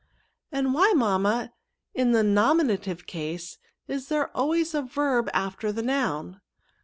" And why, mamma, in the nominative case, is there always a verb after the noun?"